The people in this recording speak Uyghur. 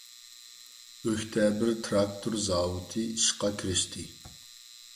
ئۆكتەبىر تىراكتور زاۋۇتى ئىشقا كىرىشتى .